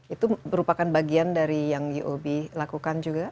itu merupakan bagian dari yang uob lakukan juga